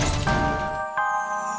ya ini udah berakhir